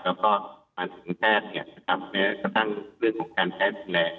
แล้วก็มาถึงแพทย์เนี่ยครับเนี่ยกระทั่งเรื่องของการแพ้สูญแรก